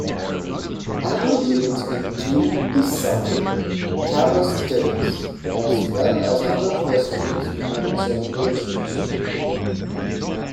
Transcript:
Annual events include the summer "Camas Days", as well as other festivals and celebrations.